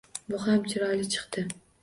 Bu ham chiroyli chiqdi.